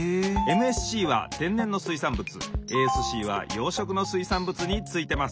・ＭＳＣは天然の水産物ＡＳＣは養殖の水産物についてます。